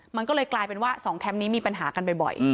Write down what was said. มันก็เลยกลายเป็นว่า๒แคมป์นี้มีปัญหากันบ่อย